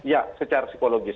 ya secara psikologis